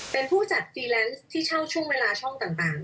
เป็นผู้จัดฟรีแลนซ์ที่เช่าช่วงเวลาช่องต่าง